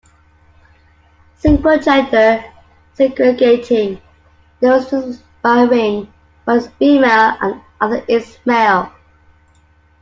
Single Gender Segregating the residents by wing, one is female, the other is male.